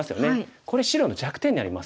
これ白の弱点になります。